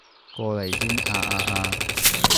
過嚟先啊啊啊